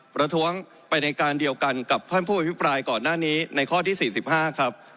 ประท้วงไปในการเดียวกันกับท่านผู้อภิปรายก่อนหน้านี้ในข้อที่๔๕ครับ